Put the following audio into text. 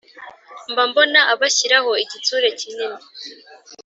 mba mbona abashyiraho igitsure kinini